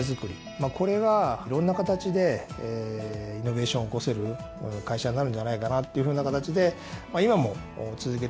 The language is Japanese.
これはいろんな形でイノベーションを起こせる会社になるんじゃないかなっていうふうな形で今も続けているわけです。